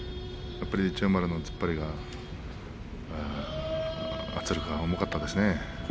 千代丸の突っ張りが圧力が重かったですね。